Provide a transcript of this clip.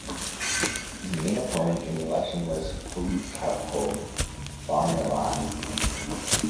His main opponent in the election was Policarpo Bonilla.